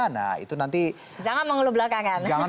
nah itu nanti jangan mengeluh belakangan